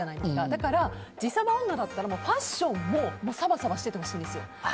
だから自サバ女だったらファッションもサバサバしててほしいんですよ。